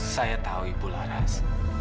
saya tahu ibu laras